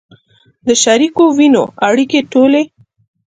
د شریکو وینو اړیکې ټولې